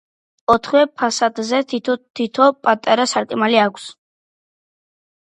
ოთხივე ფასადზე თითო პატარა სარკმელი აქვს.